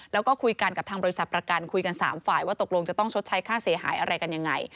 แล้วก็คุยกันกับทางบริษัทประกันคุยกัน๓ฝ่ายว่าตกลงจะต้องชดใช้ค่าเสียหายอะไรกันยังไง